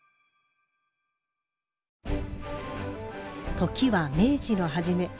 時は明治の初め。